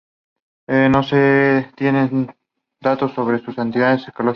No se tienen datos sobre sus afinidades ecológicas.